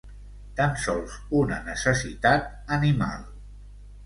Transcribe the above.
Tan sols una necessitat animal.